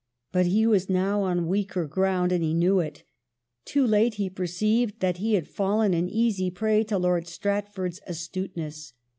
But he was now on weaker ground, and he knew it Too late he perceived that he had fallen an easy prey to Lord Stratford's astuteness.